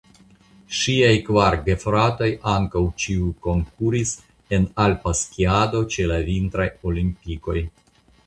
Ŝiaj kvar gefratoj ankaŭ ĉiuj konkuris en alpa skiado ĉe la vintraj olimpikoj.